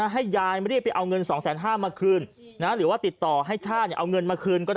ให้ยายรีบไปเอาเงิน๒๕๐๐มาคืนหรือว่าติดต่อให้ชาติเอาเงินมาคืนก็ได้